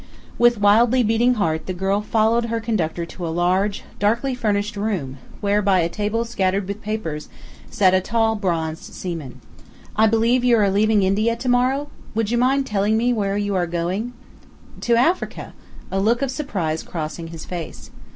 With wildly beating heart the girl followed her conductor to a large, darkly furnished room, where, by a table scattered with papers, sat a tall, bronzed seaman. "I believe you are leaving India to morrow? Would you mind telling me where you are going?" "To Africa," a look of surprise crossing his face.